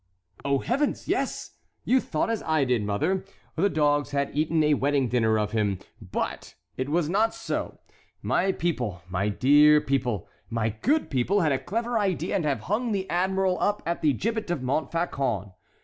"Oh, heavens! yes. You thought as I did, mother, the dogs had eaten a wedding dinner off him, but it was not so. My people, my dear people, my good people, had a clever idea and have hung the admiral up at the gibbet of Montfaucon.